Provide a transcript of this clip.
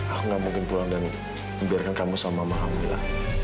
aku gak mungkin pulang dhani mujuarkan kamu sama mama aku mila